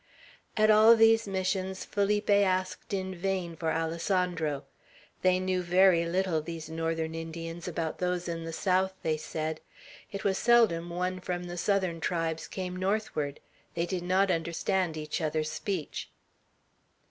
At all these Missions Felipe asked in vain for Alessandro. They knew very little, these northern Indians, about those in the south, they said. It was seldom one from the southern tribes came northward. They did not understand each other's speech.